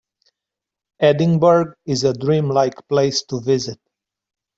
Edinburgh is a dream-like place to visit.